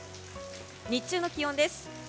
日中の気温です。